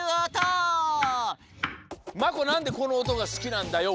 なんでこのおとがすきなんだＹＯ！